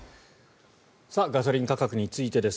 ガソリン価格についてです。